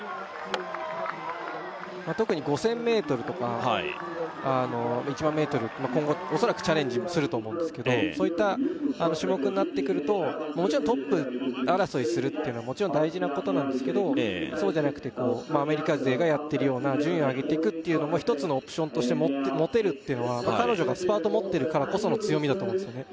特に５０００ｍとか１００００ｍ今後恐らくチャレンジすると思うんですけどそういった種目になってくるともちろんトップ争いするっていうのもちろん大事なことなんですけどそうじゃなくてアメリカ勢がやってるような順位を上げてくっていうのも一つのオプションとして持てるっていうのは彼女がスパート持ってるからこその強みだと思うんですよね